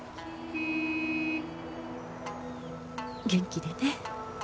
元気でね。